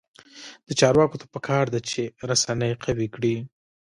چارواکو ته پکار ده چې، رسنۍ قوي کړي.